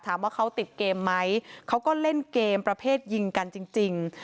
ถามว่าเขาติดเกมไหมเขาก็เล่นเกมประเภทยิงกันจริง